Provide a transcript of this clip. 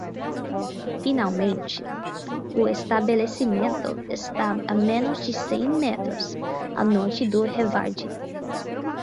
Finalmente, o estabelecimento está a menos de cem metros ao norte do Revardit.